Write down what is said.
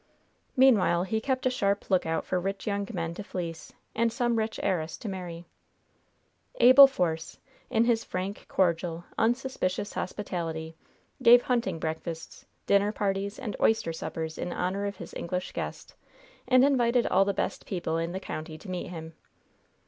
Meanwhile he kept a sharp lookout for rich young men to fleece and some rich heiress to marry. Abel Force, in his frank, cordial, unsuspicious hospitality, gave hunting breakfasts, dinner parties and oyster suppers in honor of his English guest, and invited all the best people in the county to meet him.